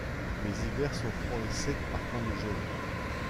Les hivers sont froids et secs par temps de gels.